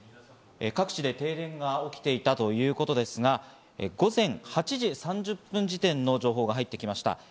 各地で停電が起きていたということですが、午前８時３０分時点の情報が入ってきました。